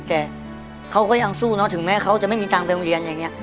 แต่เขาก็ยังสู้เนอะถึงแม้เขาจะไม่มีตังค์ไปโรงเรียนอย่างนี้